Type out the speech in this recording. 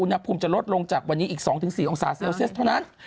อุณหภูมิจะลดลงจากวันนี้อีก๒๔องศาเซลเซียสเท่านั้น